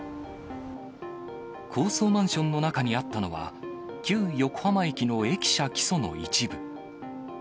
高層マンションの中にあったのは、旧横浜駅の駅舎基礎の一部。